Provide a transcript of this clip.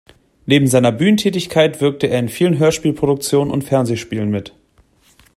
Neben seiner Bühnentätigkeit wirkte er in vielen Hörspielproduktionen und Fernsehspielen mit.